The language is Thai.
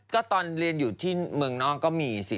ก็ตอนเรียนอยู่ที่เมืองนอกก็มีสิ